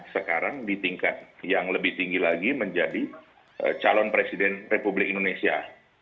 sekarang di tingkat yang lebih tinggi lagi menjadi calon presiden republik indonesia